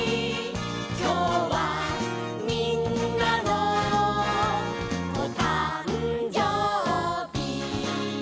「きょうはみんなのおたんじょうび」